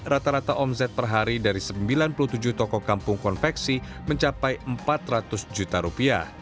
rata rata omset per hari dari sembilan puluh tujuh toko kampung konveksi mencapai empat ratus juta rupiah